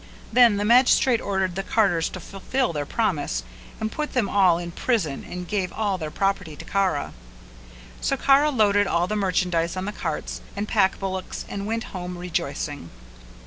Then the magistrate ordered the carters to fulfil their promise and put them all in prison and gave all their property to Kara. So Kara loaded all the merchandise on the carts and pack bullocks and went home rejoicing.